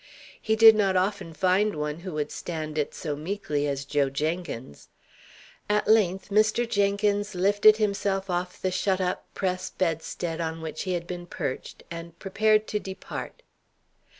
He did not often find one who would stand it so meekly as Joe Jenkins. At length Mr. Jenkins lifted himself off the shut up press bedstead on which he had been perched, and prepared to depart.